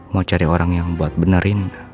mau cari orang yang buat benerin